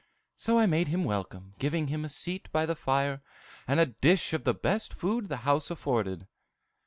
So I made him welcome, giving him a seat by the fire, and a dish of the best food the house afforded.